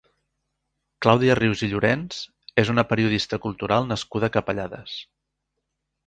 Clàudia Rius i Llorens és una periodista cultural nascuda a Capellades.